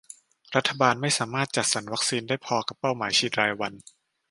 รัฐบาลไม่สามารถจัดสรรวัคซีนได้พอกับเป้าหมายฉีดรายวัน